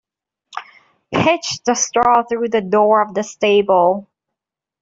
Pitch the straw through the door of the stable.